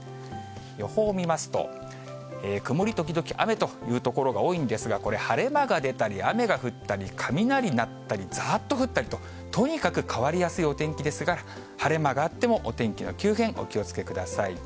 予報を見ますと、曇り時々雨という所が多いんですが、これ、晴れ間が出たり、雨が降ったり、雷鳴ったり、ざーっと降ったりと、とにかく変わりやすいお天気ですが、晴れ間があっても、お天気の急変、お気をつけください。